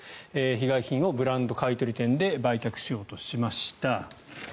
被害品をブランド買い取り店で売却しようとしました。